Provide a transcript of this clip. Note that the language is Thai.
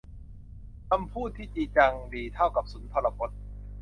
คำพูดที่จริงจังดีเท่ากับสุนทรพจน์